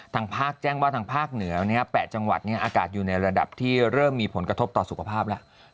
ทางภาคแจ้งว่าทางภาคเหนือ๘จังหวัดอากาศอยู่ในระดับที่เริ่มมีผลกระทบต่อสุขภาพแล้ว